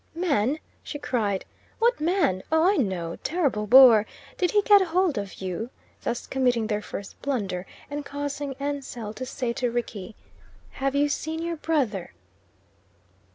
"Man," she cried "what man? Oh, I know terrible bore! Did he get hold of you?" thus committing their first blunder, and causing Ansell to say to Rickie, "Have you seen your brother?"